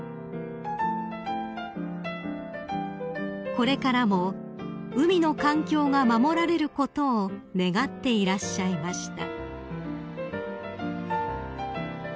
［これからも海の環境が守られることを願っていらっしゃいました］